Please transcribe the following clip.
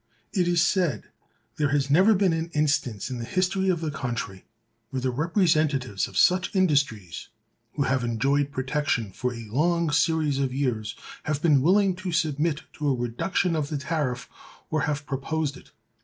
It is said: "There has never been an instance in the history of the country where the representatives of such industries, who have enjoyed protection for a long series of years, have been willing to submit to a reduction of the tariff, or have proposed it.